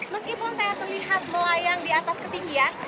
meskipun saya terlihat melayang di atas ketinggian